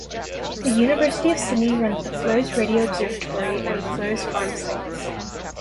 The University of Sydney runs the Fleurs Radio Observatory and Fleurs Farm sites.